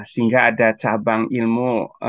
sehingga ada cabang ilmu